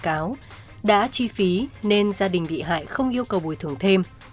bị cáo đã chi phí nên gia đình bị hại không yêu cầu bồi thường thêm